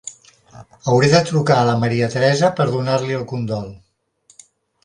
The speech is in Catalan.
Hauré de trucar a la Maria Teresa per donar-li el condol.